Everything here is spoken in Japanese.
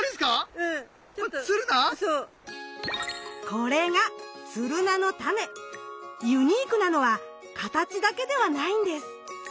これがユニークなのは形だけではないんです。